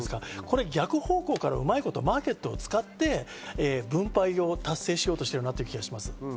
逆方向からうまいことマーケットを使って分配を達成しようとしている気がします。